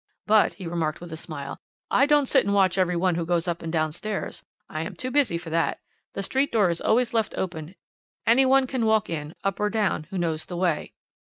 'But,' he remarked with a smile, 'I don't sit and watch every one who goes up and downstairs. I am too busy for that. The street door is always left open; any one can walk in, up or down, who knows the way.'